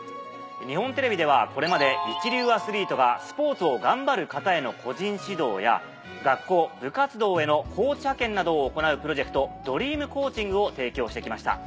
日本テレビではこれまで一流アスリートがスポーツを頑張る方への個人指導や学校部活動へのコーチ派遣などを行うプロジェクトＤｒｅａｍＣｏａｃｈｉｎｇを提供してきました。